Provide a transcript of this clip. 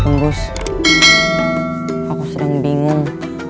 bung bus aku sedang bingung